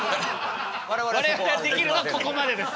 我々ができるのはここまでです。